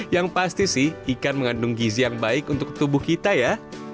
yang pasti sih ikan mengandung gizi yang baik untuk tubuh kita ya